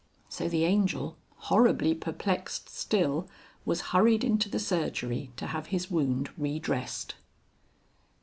So the Angel, horribly perplexed still, was hurried into the surgery to have his wound re dressed.